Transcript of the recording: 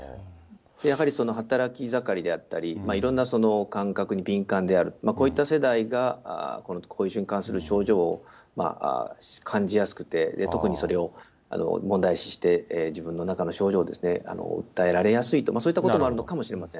やはり働き盛りであったり、いろんな感覚に敏感である、こういった世代が、この後遺症に関する症状を感じやすくて、特にそれを問題視して、自分の中の症状を訴えられやすいと、そういうこともあるのかもしれません。